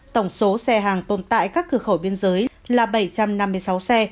tổng số xe hàng tồn tại các cửa khẩu biên giới là bảy trăm năm mươi sáu xe